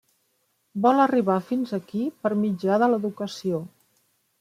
Vol arribar fins aquí per mitjà de l'educació.